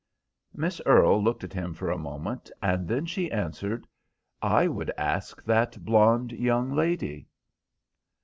Miss Earle looked at him for a moment, and then she answered— "I would ask that blonde young lady."